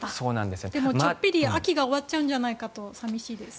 でもちょっぴり秋が終わっちゃうんじゃないかと寂しいです。